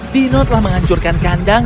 dino telah menghancurkan kandang